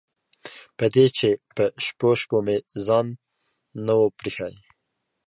په دې چې په شپو شپو مې ځان نه و پرېښی.